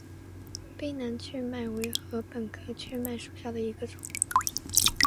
卑南雀麦为禾本科雀麦属下的一个种。